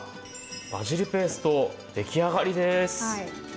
「バジルペースト」出来上がりです。